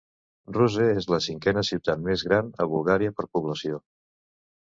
Ruse és la cinquena ciutat més gran a Bulgària per població.